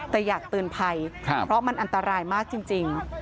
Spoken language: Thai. แต่อยากเตือนภัยเพราะมันอันตรายมากจริง